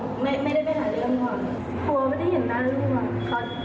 กลัวไม่ได้เห็นหน้าลูกค่ะ